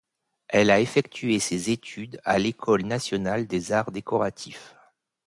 Elle a effectué ses études à l'École nationale des Arts Décoratifs.